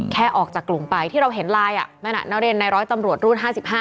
แค่ออกจากกลุ่มไปที่เราเห็นไลน์นั่นน่ะนักเรียนในร้อยตำรวจรุ่น๕๕